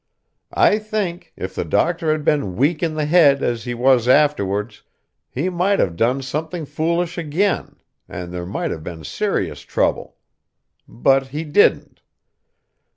I think, if the doctor had been weak in the head as he was afterwards, he might have done something foolish again, and there might have been serious trouble. But he didn't.